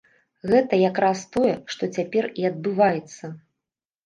Гэта як раз тое, што цяпер і адбываецца.